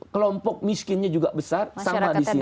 kelompok miskinnya juga besar sama di sini